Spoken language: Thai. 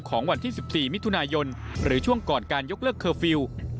ของวันที่๑๔มิถุนายนหรือช่วงก่อนการยกเลิกเคอร์ฟิลล์